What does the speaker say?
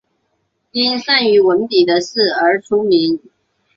因善于文笔的事而出名。